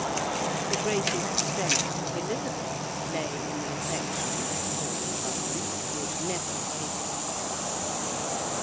The greatest strength of Elizabeth lay in the affection and support of London, which never wavered.